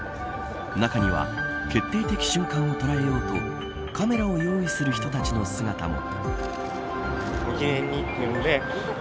中には決定的瞬間を捉えようとカメラを用意する人たちの姿も。